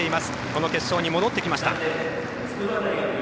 この決勝に戻ってきました。